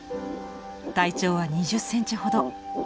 体長は２０センチほど。